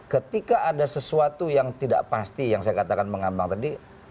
ketika ada sesuatu yang tidak pasti yang saya katakan mengambang tadi